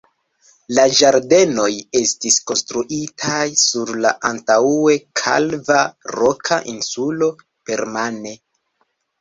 La ĝardenoj estis konstruitaj sur la antaŭe kalva roka insulo permane.